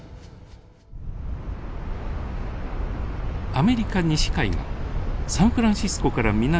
アメリカ西海岸サンフランシスコから南へ２００キロ。